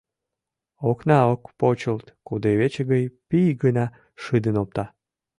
Окна ок почылт, кудывече гыч пий гына шыдын опта.